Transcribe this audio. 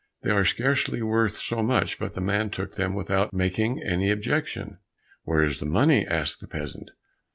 They are scarcely worth so much, but the man took them without making any objection." "Where is the money?" asked the peasant.